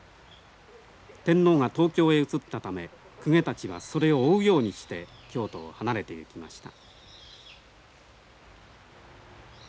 天皇が東京へ移ったため公家たちはそれを追うようにして京都を離れていきました。